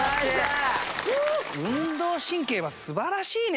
運動神経は素晴らしいね